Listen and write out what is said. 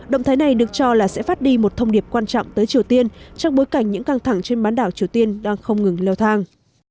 động thái này được cho là sẽ phát đi một thông điệp quan trọng tới triều tiên trong bối cảnh những căng thẳng trên bán đảo triều tiên đang không ngừng leo thang